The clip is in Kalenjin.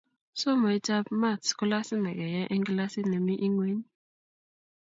somoitab matis ko lasima keyai en klasit nemii ingweng